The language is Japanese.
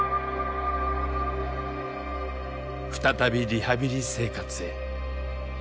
再びリハビリ生活へ。